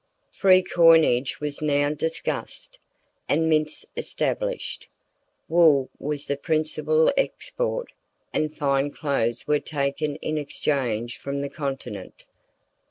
Free coinage was now discussed, and mints established. Wool was the principal export, and fine cloths were taken in exchange from the Continent.